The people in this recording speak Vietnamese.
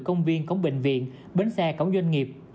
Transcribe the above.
công viên cổng bệnh viện bến xe cổng doanh nghiệp